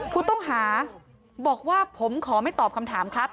ผู้ต้องหาบอกว่าผมขอไม่ตอบคำถามครับ